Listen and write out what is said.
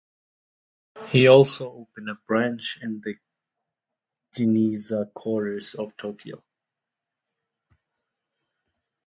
He also opened a branch in the Ginza quarter of Tokyo.